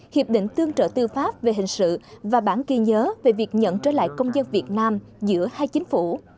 hiệp định tương trợ tư pháp về hình sự và bản ghi nhớ về việc nhận trở lại công dân việt nam giữa hai chính phủ